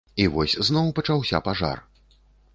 І вось зноў пачаўся пажар.